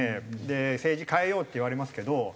で「政治変えよう」って言われますけど。